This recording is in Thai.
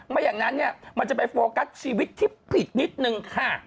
อย่างนั้นเนี่ยมันจะไปโฟกัสชีวิตที่ผิดนิดนึงค่ะ